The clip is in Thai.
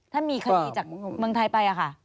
ถ้ามีคดีจากเมืองไทยไปค่ะ